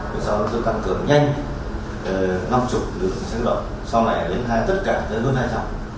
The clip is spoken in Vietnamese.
rồi sau đó tôi tăng cửa nhanh năm mươi lượng trang động sau này đến hai tất cả đến hơn hai trọng